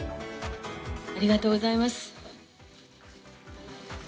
ありがとうございます。